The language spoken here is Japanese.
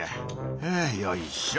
はぁよいしょ！